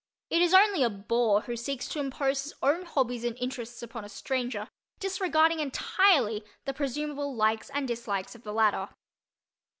It is only a "boor" who seeks to impose his own hobbies and interests upon a stranger, disregarding entirely the presumable likes and dislikes of the latter.